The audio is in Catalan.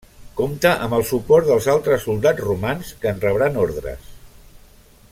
Compta amb el suport dels altres soldats romans que en rebran ordres.